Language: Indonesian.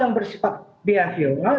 yang bersifat behavioral